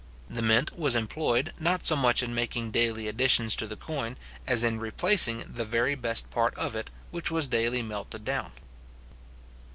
The mint was employed, not so much in making daily additions to the coin, as in replacing the very best part of it, which was daily melted down.